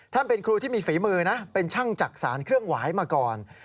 เป็นครูที่มีฝีมือนะเป็นช่างจักษานเครื่องหวายมาก่อน